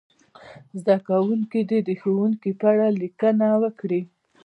زده کوونکي دې د ښوونکي په اړه لیکنه وکړي.